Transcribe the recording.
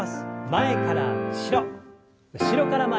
前から後ろ後ろから前に。